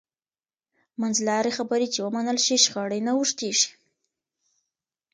منځلارې خبرې چې ومنل شي، شخړې نه اوږدېږي.